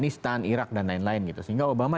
islam irak dan lain lain sehingga obama